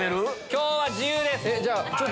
今日は自由です。